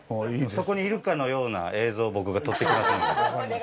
そこにいるかのような映像を僕が撮ってきますんで。